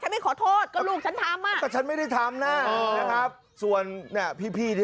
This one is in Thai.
ฉันไม่ขอโทษก็ลูกฉันทำเพราะฉันไม่ได้ทำนะส่วนพี่